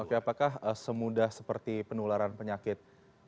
oke apakah semudah seperti penularan penyakit